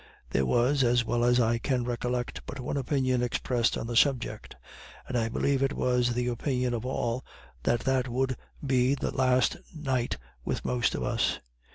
There was, as well as I can recollect, but one opinion expressed on the subject; and I believe it was the opinion of all, that that would be the last night with most of us.